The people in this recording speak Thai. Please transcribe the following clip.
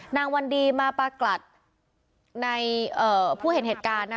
นางวันดีมาปรากฏในผู้เห็นเหตุการณ์นะ